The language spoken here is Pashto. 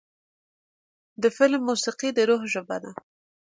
د فلم موسیقي د روح ژبه ده.